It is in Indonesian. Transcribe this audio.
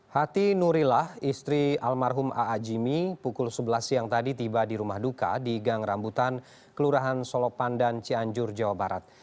hati nurillah istri almarhum aa jimmy pukul sebelas siang tadi tiba di rumah duka di gang rambutan kelurahan solopan dan cianjur jawa barat